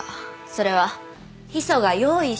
それはヒ素が用意